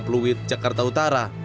pluit jakarta utara